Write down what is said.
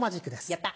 やった！